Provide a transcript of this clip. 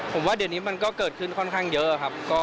ผมว่าเดี๋ยวนี้มันก็เกิดขึ้นค่อนข้างเยอะครับ